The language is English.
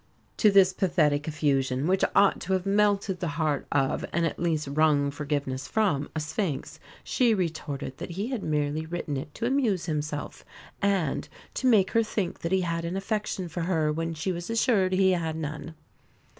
To this pathetic effusion, which ought to have melted the heart of, and at least wrung forgiveness from, a sphinx, she retorted that he had merely written it to amuse himself, and to "make her think that he had an affection for her when she was assured he had none."